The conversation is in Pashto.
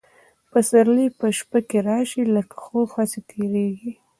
پسرلي په شپه کي راسي لکه خوب هسي تیریږي